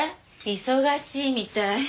忙しいみたい。